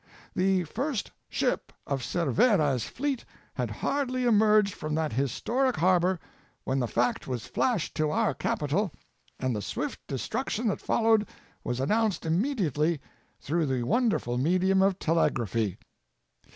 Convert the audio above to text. The first ship of Cervera's fleet had hardly emerged from that historic harbor when the fact was flashed to our capital and the swift destruc tion that followed was announced immediately through the wonderful medium of telegraphy.